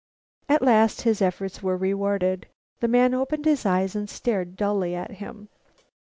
At last his efforts were rewarded; the man opened his eyes and stared dully up at him.